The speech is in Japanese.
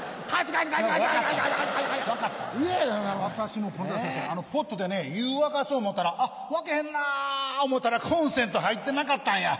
私もポットで湯沸かそう思うたら沸けへんな思うたらコンセント入ってなかったんや。